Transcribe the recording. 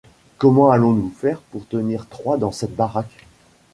Comment allons-nous faire pour tenir trois dans cette baraque ?